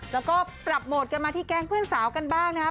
แล้วก็ปรับโหมดกันมาที่แก๊งเพื่อนสาวกันบ้างนะครับ